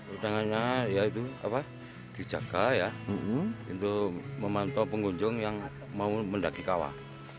undangannya ya itu dijaga ya untuk memantau pengunjung yang mau mendaki kawah